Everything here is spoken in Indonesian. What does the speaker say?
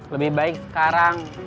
lebih baik sekarang